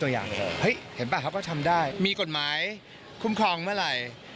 แต่ถ้าทำงานอาทิตย์จากป่ายรายวัฒนาจะได้ได้หรือไม่ได้